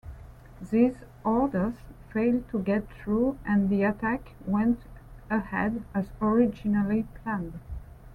These orders failed to get through and the attack went ahead as originally planned.